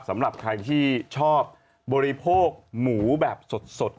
สำหรับใครที่ชอบบริโภคหมูแบบสด